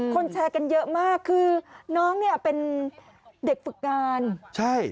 แชร์กันเยอะมากคือน้องเนี่ยเป็นเด็กฝึกงานใช่